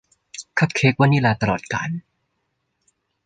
คัพเค้กวานิลลาตลอดกาล